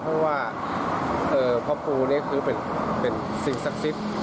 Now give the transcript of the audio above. เพราะว่าพ่อปูนี่คือเป็นสิ่งศักดิ์สิทธิ์